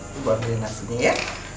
aku baru beli nasinya ya